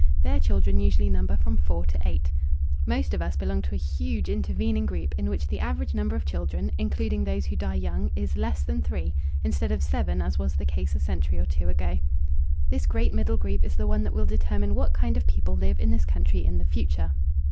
Their children usually number from four to eight. Most of us belong to a huge intervening group in which the average number of children, including those who die young, is less than three, instead of seven, as was the case a century or two ago. This great middle group is the one that will determine what kind of people live in this country in the future.